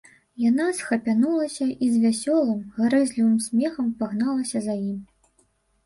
Яна схапянулася і з вясёлым, гарэзлівым смехам пагналася за ім.